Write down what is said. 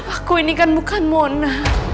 aku ini kan bukan mona